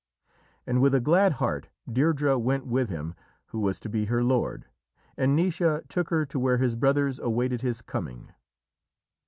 And with a glad heart Deirdrê went with him who was to be her lord, and Naoise took her to where his brothers awaited his coming.